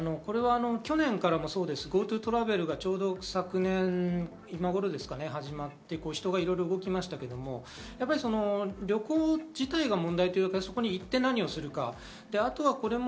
去年ＧｏＴｏトラベルがちょうど今頃始まって、人がいろいろ動きましたけど、旅行自体が問題というか、そこに行って何をするか。